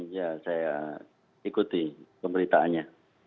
ya saya ikuti pemberitaannya